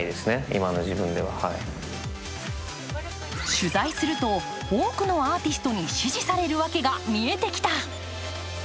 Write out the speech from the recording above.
取材すると、多くのアーティストに支持されるわけが見えてきた。